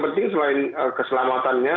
penting selain keselamatannya